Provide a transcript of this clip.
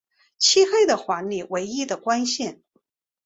漆黑的房里唯一的光线